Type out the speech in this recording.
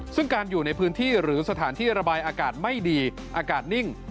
ซึ่งการอยู่ในพื้นที่หรือสถานที่ระบายอากาศไม่ดีอากาศนิ่ง